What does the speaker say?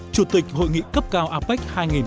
chủ tịch hội nghị cấp cao apec hai nghìn một mươi bảy